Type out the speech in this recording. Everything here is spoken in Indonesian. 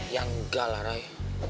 ya enggak lah ray